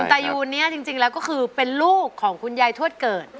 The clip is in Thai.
ตายูนนี้จริงแล้วก็คือเป็นลูกของคุณยายทวดเกิด